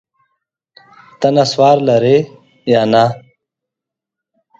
ته نسوار لرې یا نه؟